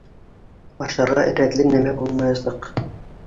Ашарға рәтле нәмә булмаясаҡ.